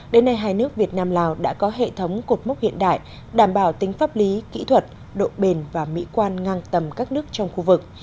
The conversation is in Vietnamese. đến nay hai nước việt nam lào đã có hệ thống cột mốc hiện đại đảm bảo tính pháp lý kỹ thuật độ bền và mỹ quan ngang tầm các nước trong khu vực